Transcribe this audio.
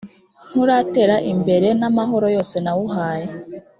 nturatera imbere n’ amahoro yose nawuhaye